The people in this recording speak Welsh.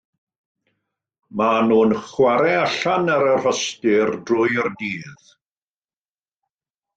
Maen nhw'n chwarae allan ar y rhostir drwy'r dydd.